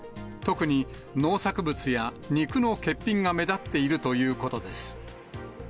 特に農作物や肉の欠品が目立っているということです。